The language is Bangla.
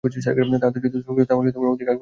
তাহাতে যদি দুদিক চলে তো সকলেই আগ্রহ করিতে থাকে।